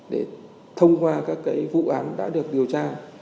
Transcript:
để thông qua các vụ án đã được điều tra